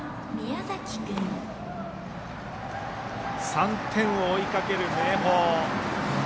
３点を追いかける明豊。